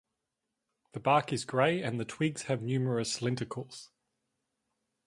The bark is grey and the twigs have numerous lenticels.